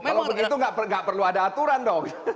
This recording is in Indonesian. kalau begitu nggak perlu ada aturan dong